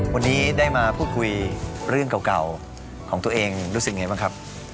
วันนี้ได้มาพูดคุยเรื่องเก่าของตัวเองรู้สึกยังไงบ้างครับ